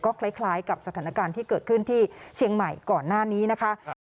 คล้ายกับสถานการณ์ที่เกิดขึ้นที่เชียงใหม่ก่อนหน้านี้นะคะ